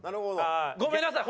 ごめんなさい